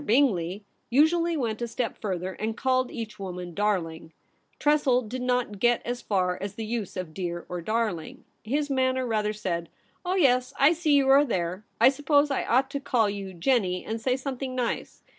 Bingley usually went a step further, and called each woman ' darling.' Tressel did not get as far as the use of 'dear' or * darling.' His manner rather said, ' Oh yes, I see you are there ; I suppose I ought to call you "Jennie," and say something nice.